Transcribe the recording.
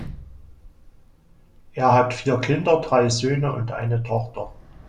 Er hat vier Kinder, drei Söhne und eine Tochter.